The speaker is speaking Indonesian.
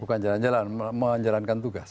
bukan jalan jalan menjalankan tugas